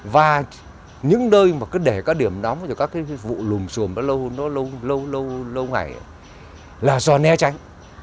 và những nơi mà cứ để các điểm nóng các cái vụ lùm xùm đó lâu ngày là do né tránh